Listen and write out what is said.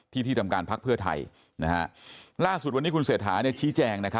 ที่ที่ทำการพักเพื่อไทยล่าสุดวันนี้คุณเศรษฐาชี้แจง